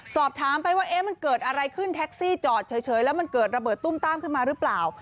สอบถามไปว่ามันเกิดอะไรขึ้นแท็กซี่จอดเฉยแล้วมันเกิดระเบิดตุ้มต้ามขึ้นมาหรือเปล่า